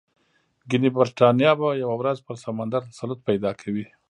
ګنې برېټانیا به یوه ورځ پر سمندر تسلط پیدا کوي.